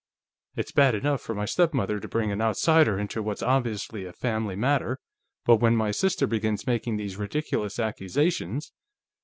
It's bad enough for my stepmother to bring an outsider into what's obviously a family matter, but when my sister begins making these ridiculous accusations